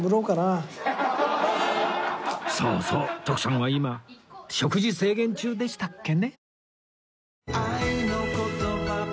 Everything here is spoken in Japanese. そうそう徳さんは今食事制限中でしたっけね